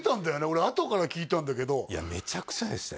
俺あとから聞いたんだけどいやめちゃくちゃでしたよ